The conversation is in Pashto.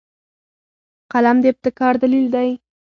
قلم د ابتکار دلیل دی